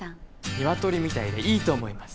ニワトリみたいでいいと思います。